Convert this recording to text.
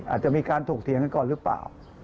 อาจจะมีการถกเถียงกันก่อนหรือเปล่า